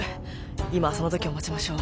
今はその時を待ちましょう。